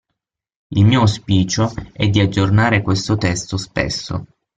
Il mio auspicio è di aggiornare questo testo spesso.